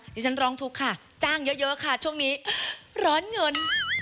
ฉันร้องทุกข์ค่ะจ้างเยอะค่ะช่วงนี้ร้อนเงิน